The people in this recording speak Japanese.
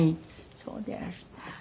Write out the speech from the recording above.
そうでいらした。